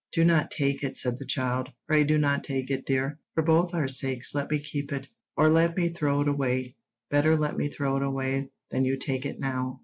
"Do not take it," said the child. "Pray do not take it, dear. For both our sakes let me keep it, or let me throw it away; better let me throw it away than you take it now.